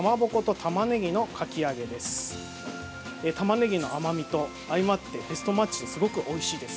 たまねぎの甘味と相まってベストマッチですごくおいしいです。